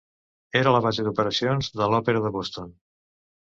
Era la base d'operacions de l'Òpera de Boston.